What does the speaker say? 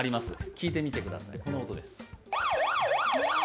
聞いてみてください、この音です。